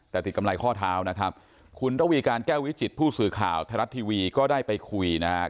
แต่ติดกำไรข้อเท้านะครับคุณระวีการแก้ววิจิตผู้สื่อข่าวไทยรัฐทีวีก็ได้ไปคุยนะครับ